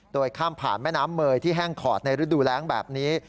โดยข้ามผ่านแม่น้ำเมยที่แห้งขอดในฤดูแรงแบบนี้